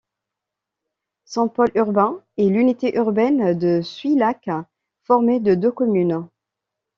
Son pôle urbain est l'unité urbaine de Souillac formée de deux communes.